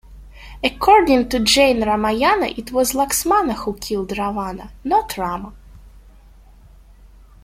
According to Jain Ramayana it was Laxmana who killed Ravana, not Rama.